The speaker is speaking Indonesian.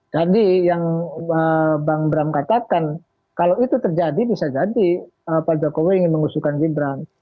jadi yang bang bram katakan kalau itu terjadi bisa jadi pak jokowi ingin mengusuhkan gibran